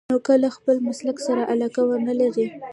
نو که له خپل مسلک سره علاقه ونه لرئ.